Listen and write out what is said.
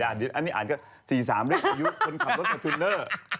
อันนี้อ่านก็๔๓เรื่องอายุคนขับรถคาทูนเนอร์